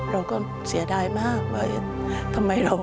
เราก็เสียดายมาก